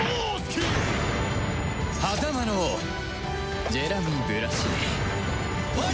狭間の王ジェラミー・ブラシエリ。